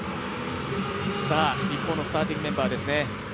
日本のスターティングメンバーです。